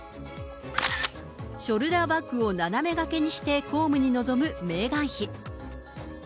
ショルダーバッグを斜めがけにして公務に臨むメーガン妃。